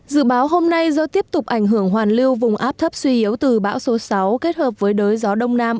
dự báo hôm nay do tiếp tục ảnh hưởng hoàn lưu vùng áp thấp suy yếu từ bão số sáu kết hợp với đới gió đông nam